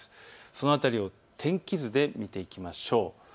その辺りを天気図で見ていきましょう。